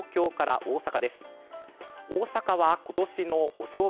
大阪は今年のお正月